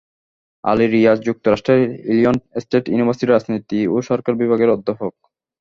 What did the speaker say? আলী রীয়াজ যুক্তরাষ্ট্রের Illinois State ইউনিভার্সিটির রাজনীতি ও সরকার বিভাগের অধ্যাপক।